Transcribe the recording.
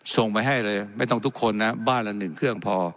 ส่งไปให้เลยไม่ต้องทุกคนนะบ้านละ๑เครื่องพอ